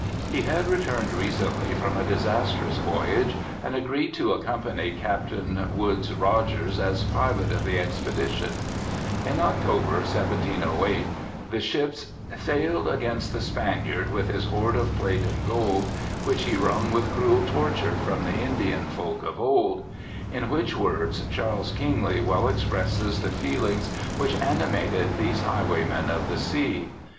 He had returned recently from a disastrous voyage, and agreed to accompany Captain Woodes Rogers as pilot of the expedition. In October, 1708, the ships ... sailed against the Spaniard with his hoard of plate and gold. Which he wrung with cruel torture from the Indian folk of old in which words Charles Kingsley well expresses the feelings which animated these highwaymen of the sea.